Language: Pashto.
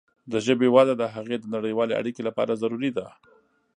د ژبې وده د هغې د نړیوالې اړیکې لپاره ضروري ده.